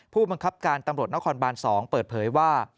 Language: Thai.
ผู้บังคับการตำรวจนครบาน๒เปิดเผยว่า